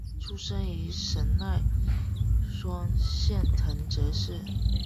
出身于神奈川县藤泽市。